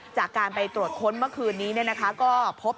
จากการไปตรวจค้นเมื่อคืนนี้เนี่ยนะคะก็พบ